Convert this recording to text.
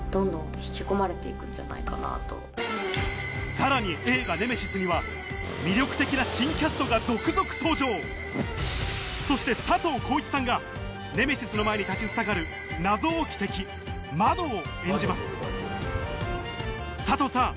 さらに映画『ネメシス』には魅力的な新キャストが続々登場そして佐藤浩市さんがネメシスの前に立ちふさがる謎多き敵窓を演じます佐藤さん